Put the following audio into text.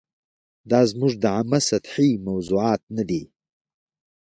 دا زموږ د عامه سطحې موضوعات نه دي.